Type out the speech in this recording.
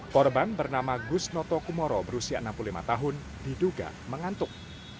korban bernama gus noto kumoro berusia enam puluh lima tahun diduga mengantuk